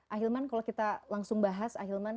ahilman kalau kita langsung bahas ahilman